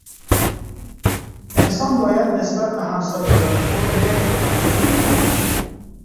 انسان باید نسبت به همسایگان خود مهر بورزد.